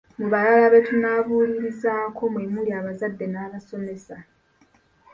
Mu balala be tunaabuulirizaako mwe muli abazadd n’abasomesa.